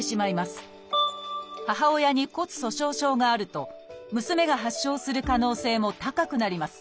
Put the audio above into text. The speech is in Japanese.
母親に骨粗しょう症があると娘が発症する可能性も高くなります。